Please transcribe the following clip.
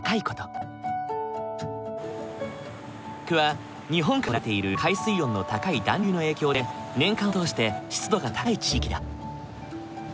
北陸は日本海を流れている海水温の高い暖流の影響で年間を通して湿度が高い地域だ。